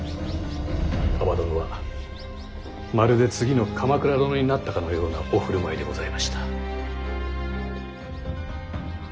蒲殿はまるで次の鎌倉殿になったかのようなお振る舞いでございました。